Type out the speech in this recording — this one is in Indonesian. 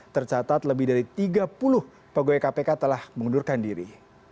tercatat lebih dari tiga puluh pegawai kpk telah mengundurkan diri